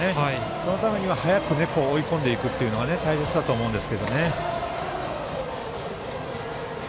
そのために早く追い込むのが大切だと思います。